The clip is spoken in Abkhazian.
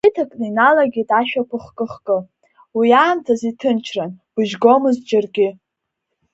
Аҽеиҭакны иналагеит ашәақәа хкы-хкы, уи аамҭаз иҭынчран, быжь гомызт џьаргьы!